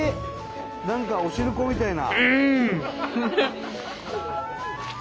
何かお汁粉みたいな。